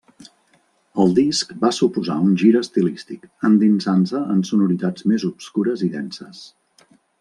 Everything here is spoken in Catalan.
El disc va suposar un gir estilístic, endinsant-se en sonoritats més obscures i denses.